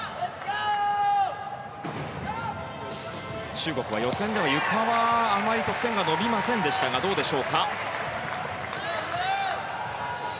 中国は予選ではゆかはあまり得点が伸びませんでしたがどうでしょうか。